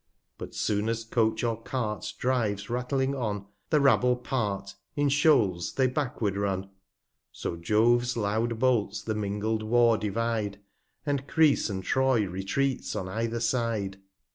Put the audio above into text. But soon as Coach or Cart drives rattling on, The Rabble part, in Shoals they backward run. So Joves loud Bolts the mingled War divide, 85 And Greece and Troy retreats on either side.